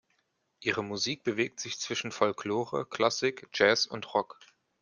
Ihre Musik bewegt sich zwischen Folklore, Klassik, Jazz und Rock.